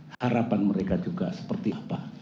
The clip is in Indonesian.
harapan mereka juga seperti apa